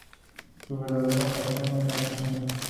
Su verdadera pasión es la cocina.